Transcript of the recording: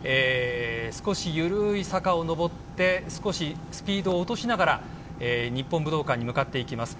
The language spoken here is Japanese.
少し緩い坂を上って少しスピードを落としながら日本武道館に向かっていきます。